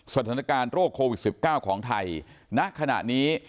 สถานการณ์โรคโควิด๑๙ของไทยณขณะนี้